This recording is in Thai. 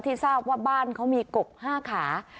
ทราบว่าบ้านเขามีกบ๕ขา